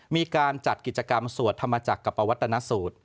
มีการจัดกิจกรรมสวดธรรมจักรกับปวัตนสูตร